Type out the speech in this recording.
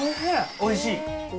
おいしい。